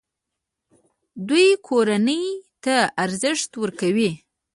دوی کورنۍ ته ارزښت ورکوي.